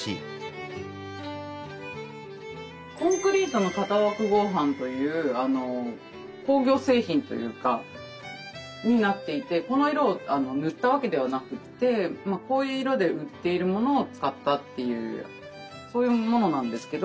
コンクリートの型枠合板という工業製品というかになっていてこの色を塗ったわけではなくてこういう色で売っているものを使ったっていうそういうものなんですけど。